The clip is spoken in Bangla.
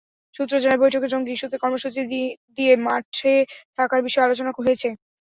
সূত্র জানায়, বৈঠকে জঙ্গি ইস্যুতে কর্মসূচি দিয়ে মাঠে থাকার বিষয়ে আলোচনা হয়েছে।